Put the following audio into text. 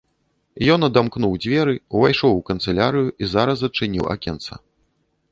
Ён адамкнуў дзверы, увайшоў у канцылярыю і зараз адчыніў акенца.